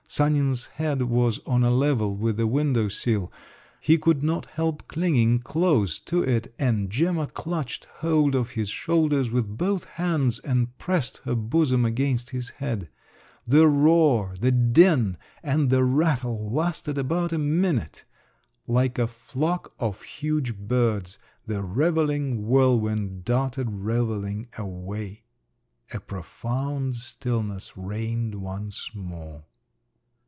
Sanin's head was on a level with the window sill; he could not help clinging close to it, and Gemma clutched hold of his shoulders with both hands, and pressed her bosom against his head. The roar, the din, and the rattle lasted about a minute…. Like a flock of huge birds the revelling whirlwind darted revelling away. A profound stillness reigned once more.